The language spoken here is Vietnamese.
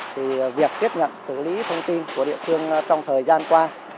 thì việc tiếp nhận xử lý thông tin của địa phương trong thời gian qua